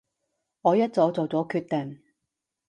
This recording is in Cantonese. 我一早做咗決定